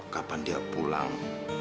kapan dia pulang